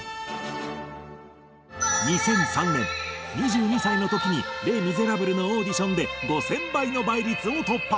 ２００３年２２歳の時に『レ・ミゼラブル』のオーディションで５０００倍の倍率を突破！